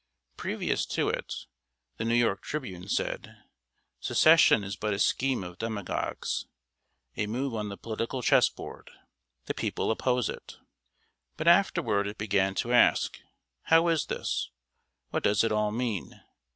Previous to it, the New York Tribune said: "Secession is but a scheme of demagogues a move on the political chess board the people oppose it." But afterward it began to ask: "How is this? What does it all mean?